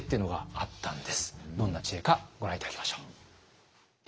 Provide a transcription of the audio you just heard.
どんな知恵かご覧頂きましょう。